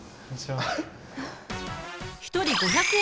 一人５００円